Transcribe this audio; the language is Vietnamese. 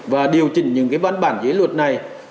và điều chỉnh những cái văn bản dưới luật này